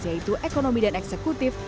yaitu ekonomi dan eksekutif